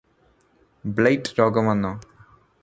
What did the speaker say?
blight രോഗം വന്നോ